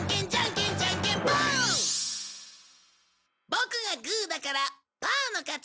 ボクがグーだからパーの勝ち！